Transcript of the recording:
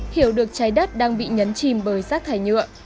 hiểu được trái đất đang bị nhấn chìm bởi rác thải nhựa